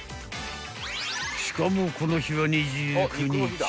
［しかもこの日は２９日］